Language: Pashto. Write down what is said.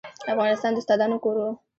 افغانستان د استادانو کور و.